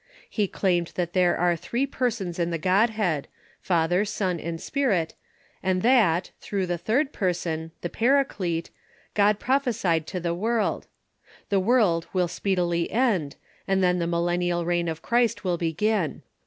He claimed that there are three persons in the .. Godhead — Father, Son, and Spirit — and that, through Opinions .'» r »» the third person, the Paraclete, God prophesied to the world. The world will speedily end, and then the millennial reign of Christ will begin.